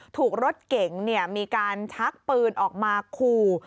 ถูกรถเก๋งมีการชักปืนออกมาขู่